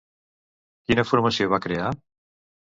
Quina formació va crear?